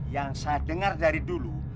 yang saya dengar dari dulu